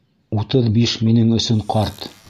Утыҙ биш минең өсөн ҡарт!